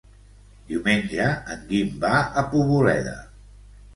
Diumenge en Guim va a Poboleda.